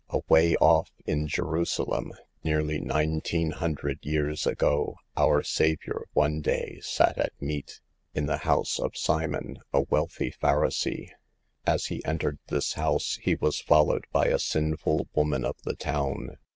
Away off in Jerusalem, nearly nineteen hundred years ago, our Savior one day " sat at meat" in the house of Simon, a wealthy Pharisee. As He entered this house He was followed by a sinful woman of the town.